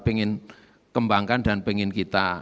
ingin kembangkan dan pengen kita